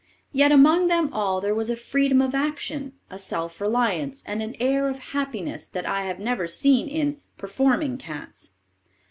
Yet among them all there was a freedom of action, a self reliance, and an air of happiness that I have never seen in "performing cats."